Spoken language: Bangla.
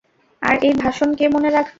আর এই ভাষণ কে মনে রাখবে।